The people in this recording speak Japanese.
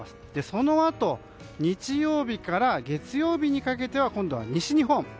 そのあと日曜日から月曜日にかけては今度は西日本。